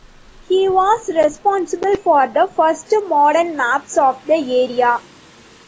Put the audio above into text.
He was responsible for the first modern maps of the area.